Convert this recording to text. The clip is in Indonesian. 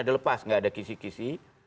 tidak ada kisi kisi